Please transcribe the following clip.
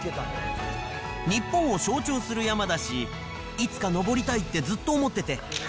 日本を象徴する山だし、いつか登りたいってずっと思ってて。